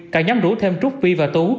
cả nhóm rủ thêm trúc vi và tú